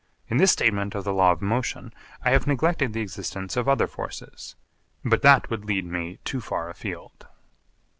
In this statement of the law of motion I have neglected the existence of other forces. But that would lead me too far afield.